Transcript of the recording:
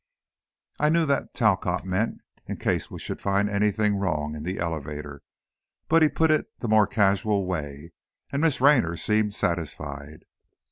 I knew that Talcott meant, in case we should find anything wrong in the elevator, but he put it the more casual way, and Miss Raynor seemed satisfied.